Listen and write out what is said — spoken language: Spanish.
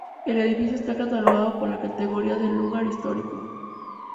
El edificio está catalogado con la categoría de Lugar Histórico.